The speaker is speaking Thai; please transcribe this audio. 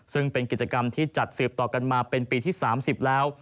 ซึ่งเป็นกิจกรรมที่จัดสืบต่อกันมาเป็นปีที่๓๐แล้ว